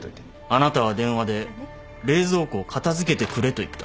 あなたは電話で冷蔵庫を片付けてくれと言った。